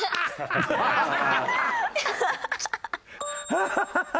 ハハハハ！